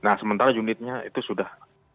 nah sementara unitnya itu sudah